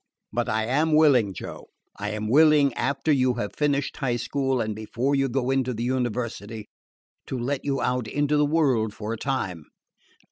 "But I am willing, Joe, I am willing, after you have finished high school and before you go into the university, to let you out into the world for a time."